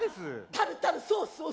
タルタルソースを添えて。